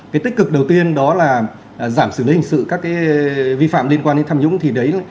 cái tích cực đầu tiên đó là giảm xử lý hình sự các cái vi phạm liên quan đến tham nhũng thì đấy